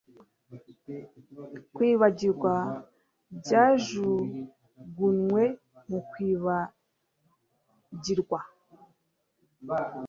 Kwibagirwa byajugunywe mu kwibagirwa